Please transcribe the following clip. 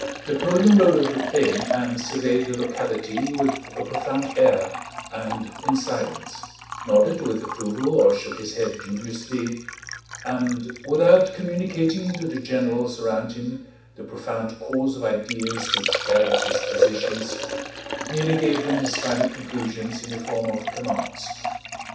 Napoleon rode over the plain and surveyed the locality with a profound air and in silence, nodded with approval or shook his head dubiously, and without communicating to the generals around him the profound course of ideas which guided his decisions merely gave them his final conclusions in the form of commands.